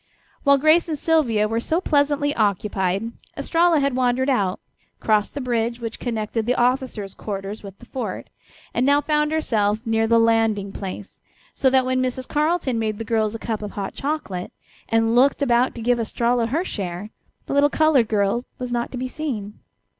While Grace and Sylvia were so pleasantly occupied Estralla had wandered out, crossed the bridge which connected the officers' quarters with the fort, and now found herself near the landing place, so that when Mrs. Carleton made the girls a cup of hot chocolate and looked about to give Estralla her share, the little colored girl was not to be seen.